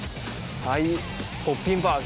はいポッピンバグ！